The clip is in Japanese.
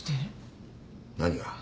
何が？